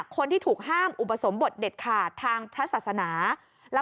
คนที่ถูกห้ามอุปสมบทเด็ดขาดทางพระศาสนา